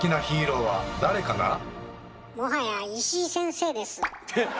もはや石井先生です。